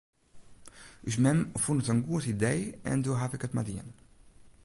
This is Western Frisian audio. Us mem fûn it in goed idee en doe haw ik it mar dien.